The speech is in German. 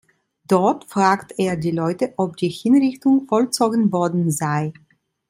Dort fragt er die Leute, ob die Hinrichtung vollzogen worden sei.